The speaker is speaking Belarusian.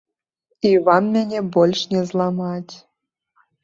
І вам мяне больш не зламаць.